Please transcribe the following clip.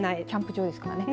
キャンプ場ですからね。